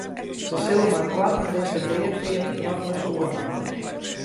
Sy sille meikoarten dizze beafeart nochris oerdwaan.